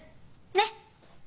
ねっ？